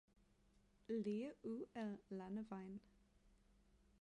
Lige ud ad landevejen